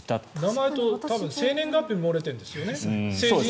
名前と生年月日も漏れているんですよね。